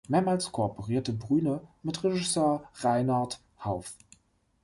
Mehrmals kooperierte Brühne mit Regisseur Reinhard Hauff.